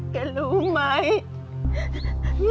แกรู้ไหม